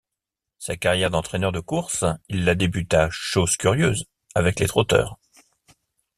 Sa carrière d'entraîneur de courses, il l'a débuta, chose curieuse, avec les trotteurs.